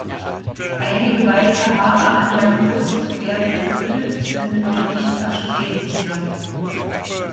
Einige weiße Haare an der Brust werden geduldet, sind aber nicht erstrebenswert.